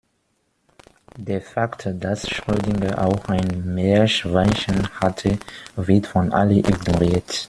Der Fakt, dass Schrödinger auch ein Meerschweinchen hatte, wird von allen ignoriert.